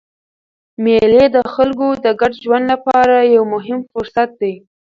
مېلې د خلکو د ګډ ژوند له پاره یو مهم فرصت دئ.